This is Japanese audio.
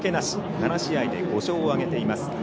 ７試合で５勝を挙げています。